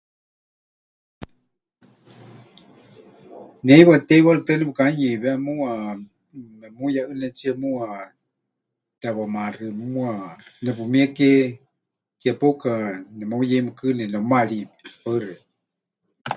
Ne heiwa teiwaritɨa nepɨkahanuyeiwé muuwa, memuyeʼɨnetsie muuwa tewamaxi muuwa, nepɨmié ke ke pauka nemeuyeimɨkɨni, nepɨmaarimie. Paɨ xeikɨá.